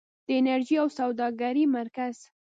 د انرژۍ او سوداګرۍ مرکز.